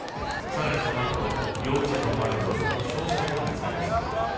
さらにその後、容疑者と思われる男の焼死体が見つかりました。